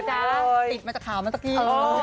ติดมาจากข่าวนั้นเมื่อกี้